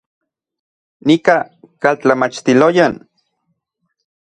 Nika kaltlamachtiloyan